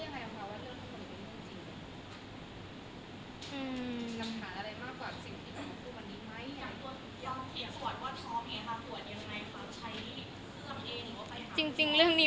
มีแค่เมื่อกี๊